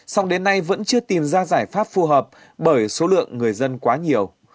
song đến nay vẫn chưa tìm ra giải pháp phù hợp bởi số lượng người dân quá nhiều